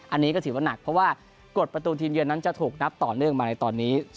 อันนี้ก็ถือว่าหนักเพราะว่ากฎประตูทีมเยือนนั้นจะถูกนับต่อเนื่องมาในตอนนี้